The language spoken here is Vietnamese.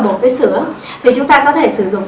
bột với sữa thì chúng ta có thể sử dụng